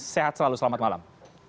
sehat selalu selamat malam